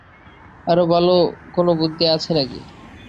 আরো ভালো কোনো বুদ্ধি আছে নাকি?